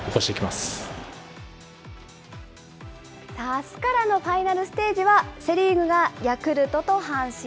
あすからのファイナルステージは、セ・リーグがヤクルトと阪神。